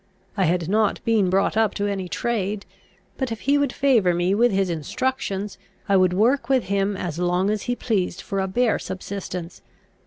I had not been brought up to any trade; but, if he would favour me with his instructions, I would work with him as long as he pleased for a bare subsistence.